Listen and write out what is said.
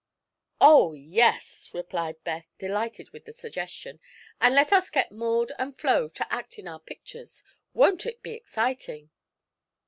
"Oh, yes!" replied Beth, delighted with the suggestion. "And let us get Maud and Flo to act in our pictures. Won't it be exciting?"